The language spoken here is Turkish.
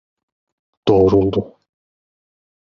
Doğruldu.